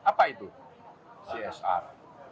apa itu csr